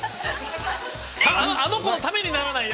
◆あの子のためにならない！